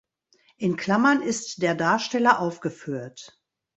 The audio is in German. In Klammern ist der Darsteller aufgeführt.